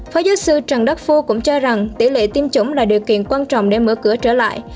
phó giáo sư trần đắc phu cũng cho rằng tỷ lệ tiêm chủng là điều kiện quan trọng để mở cửa trở lại